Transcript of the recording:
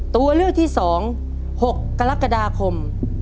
ตัวเลือกที่๒๖กรกฎาคม